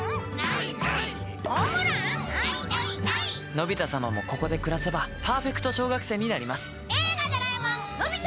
のび太様もここで暮らせばパーフェクト小学生になります。